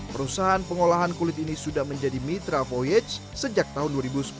perusahaan pengolahan kulit ini sudah menjadi mitra voyage sejak tahun dua ribu sepuluh